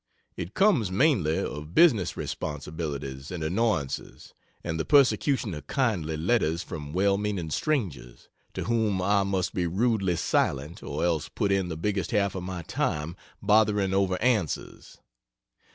It comes mainly of business responsibilities and annoyances, and the persecution of kindly letters from well meaning strangers to whom I must be rudely silent or else put in the biggest half of my time bothering over answers.